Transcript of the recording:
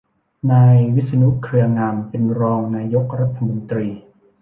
นายวิษณุ เครืองาม เป็นรองนายกรัฐมนตรี